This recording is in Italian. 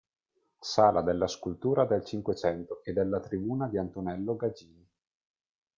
Sala della scultura del Cinquecento e della Tribuna di Antonello Gagini.